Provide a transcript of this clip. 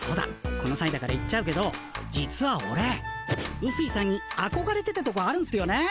このさいだから言っちゃうけど実はオレうすいさんにあこがれてたとこあるんすよね。